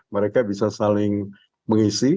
mereka bisa saling mengisi